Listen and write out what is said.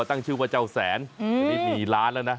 ตั้งชื่อว่าเจ้าแสนแต่นี่มีล้านแล้วนะ